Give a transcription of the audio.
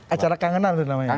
acara kangenan itu namanya